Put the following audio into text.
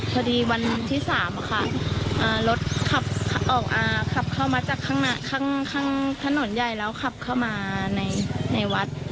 พอดีวันที่๓ค่ะรถขับเข้ามาจากข้างถนนใหญ่แล้วขับเข้ามาในวัด